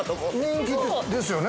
◆人気ですよね。